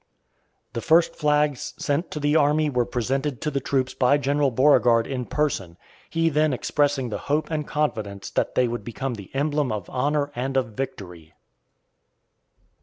The first flags sent to the army were presented to the troops by General Beauregard in person, he then expressing the hope and confidence that they would become the emblem of honor and of victory.